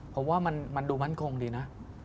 ผมว่ามันดูมั่นคงดีนะ